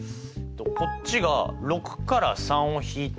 こっちが６から３を引いて３人。